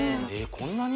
こんなに！？